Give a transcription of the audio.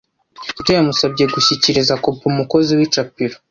Tito yamusabye gushyikiriza kopi umukozi w’icapiro